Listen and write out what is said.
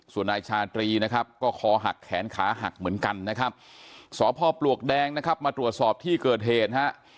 ส่วนนายชาตรีนะครับก็คอหักแขนขาหักเหมือนกันนะครับสพปลวกแดงนะครับมาตรวจสอบที่เกิดเหตุฮะ